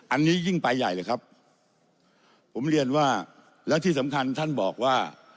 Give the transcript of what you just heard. อันนี้ยิ่งไปใหญ่เลยครับผมเรียนว่าแล้วที่สำคัญท่านบอกว่า